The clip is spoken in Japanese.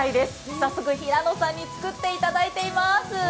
早速、平野さんに作っていただいています。